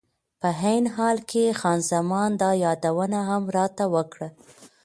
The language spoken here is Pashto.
په عین حال کې خان زمان دا یادونه هم راته وکړه.